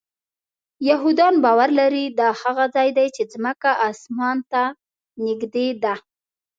یهودان باور لري دا هغه ځای دی چې ځمکه آسمان ته نږدې ده.